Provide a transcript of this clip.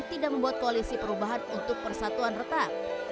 tidak membuat koalisi perubahan untuk persatuan retak